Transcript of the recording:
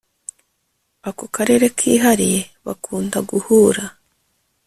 Ako karere kihariye bakunda guhura